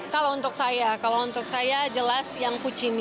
kalau untuk saya kalau untuk saya jelas yang kucimi